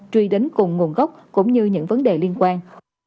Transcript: truy đến cùng nguồn gốc cũng như những vấn đề liên quan